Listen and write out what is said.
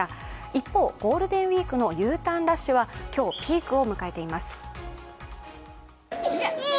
一方、ゴールデンウイークのＵターンラッシュは今日ピークを迎えています。